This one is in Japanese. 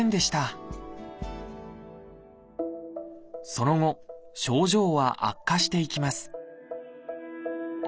その後症状は悪化していきます